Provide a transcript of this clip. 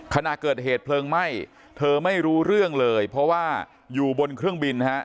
ขณะเกิดเหตุเพลิงไหม้เธอไม่รู้เรื่องเลยเพราะว่าอยู่บนเครื่องบินฮะ